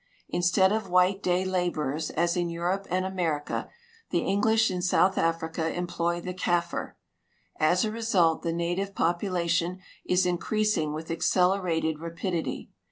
Instead of white day laborers, as in Europe and America, the English in South Africa employ the Kaffir. As a result the native population is increasing with accelerated rapidity.